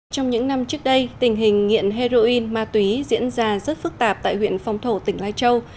trong những năm trước đây tình hình nghiện heroin ma túy diễn ra rất phức tạp tại huyện phong thổ tỉnh lai châu